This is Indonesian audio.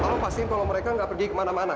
tolong pastikan kalau mereka gak pergi kemana mana